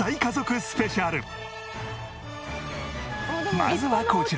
まずはこちら。